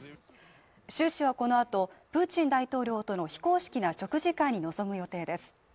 習氏はこのあとプーチン大統領との非公式な食事会に臨む予定です。